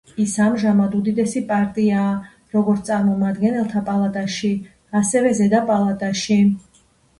ის ამჟამად უდიდესი პარტიაა, როგორც წარმომადგენელთა პალატაში, ასევე ზედა პალატაში.